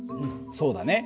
そうだね。